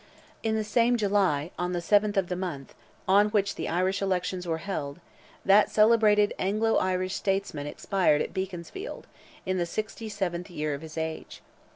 In the same July, on the 7th of the month, on which the Irish elections were held, that celebrated Anglo Irish statesman expired at Beaconsfield, in the sixty seventh year of his age.